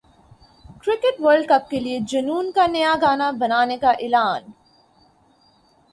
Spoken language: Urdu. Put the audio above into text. کرکٹ ورلڈ کپ کے لیے جنون کا نیا گانا بنانے کا اعلان